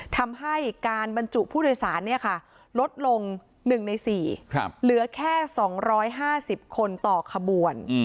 ทำให้การบรรจุผู้โดยสารลดลง๑ใน๔เหลือแค่๒๕๐คนต่อขบวน